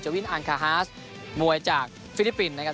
วินอังคาฮาสมวยจากฟิลิปปินส์นะครับ